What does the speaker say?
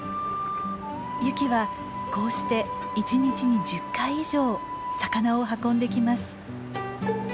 ユキはこうして一日に１０回以上魚を運んできます。